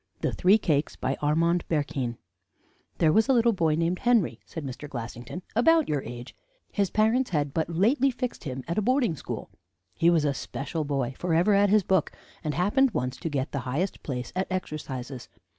THE THREE CAKES By ARMAND BERQUIN "There was a little boy named Henry," said Mr Glassington "about your age. His parents had but lately fixed him at a boarding school. "He was a special boy, forever at his book, and happened once to get the highest place at exercises.